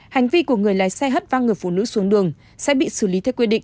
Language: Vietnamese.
hành vi của người lái xe hất văng người phụ nữ xuống đường sẽ bị xử lý theo quy định